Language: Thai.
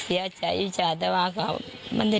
ส่วนตัวเราดูสึกว่ากินเธอมาเกิดเหตุการณ์แหละ